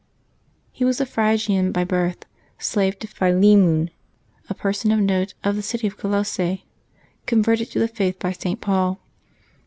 I^E was a Phrygian by birth, slave to Philemon, a person % JL of note of the city of Colossge, converted to the faith by St. Paul.